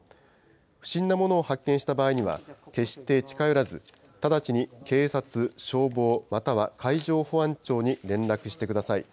不審なものを発見した場合には、決して近寄らず、直ちに警察、消防、または海上保安庁に連絡してください。